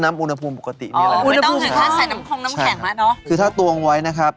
น้ำเย็นนี่จริงต้องเย็นแค่ไหนอะเชฟ